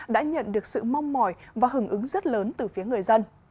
đã nhận được sự mong mỏi và hưởng ứng rất lớn từ phía người dân